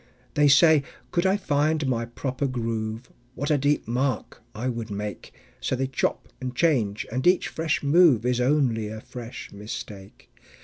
They say: "Could I find my proper groove, What a deep mark I would make!" So they chop and change, and each fresh move Is only a fresh mistake.